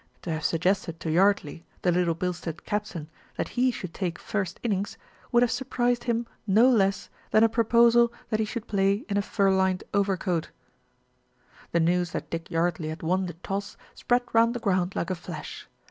To have suggested to Yardley, the Little Bil stead captain, that he should take first innings would have surprised him no less than a proposal that he should play in a fur lined overcoat. 194 THE RETURN OF ALFRED The news that Dick Yardley had won the toss spread round the ground like a flash.